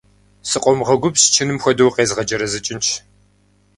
Скъомгъэгубжь, чыным хуэдэу укъезгъэджэрэзэкӏынщ!